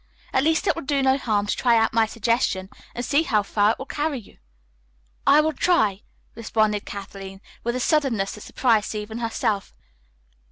At least it will do no harm to try out my suggestion and see how far it will carry you." "I will try," responded Kathleen with a suddenness that surprised even herself.